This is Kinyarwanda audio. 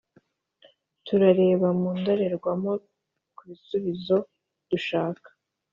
turareba mu ndorerwamo kubisubizo dushaka,